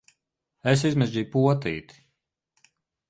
Es izmežģīju potīti!